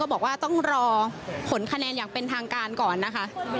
บอกว่าต้องรอผลคะแนนอย่างเป็นทางการก่อนนะคะ